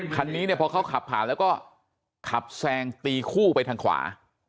คันนี้เนี่ยพอเขาขับผ่านแล้วก็ขับแซงตีคู่ไปทางขวา